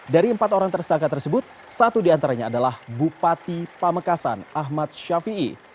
dari empat orang tersangka tersebut satu di antaranya adalah bupati pamekasan ahmad shafi'i